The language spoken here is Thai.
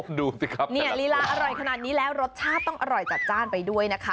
ดูสิครับเนี่ยลีลาอร่อยขนาดนี้แล้วรสชาติต้องอร่อยจัดจ้านไปด้วยนะคะ